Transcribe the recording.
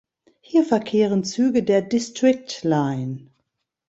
Hier verkehren Züge der District Line.